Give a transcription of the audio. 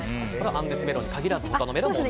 アンデスメロンに限らず他のメロンも同じと。